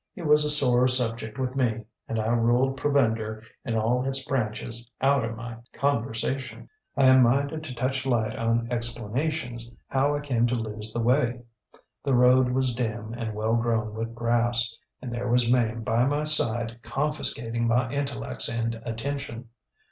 It was a sore subject with me, and I ruled provender in all its branches out of my conversation. ŌĆ£I am minded to touch light on explanations how I came to lose the way. The road was dim and well grown with grass; and there was Mame by my side confiscating my intellects and attention.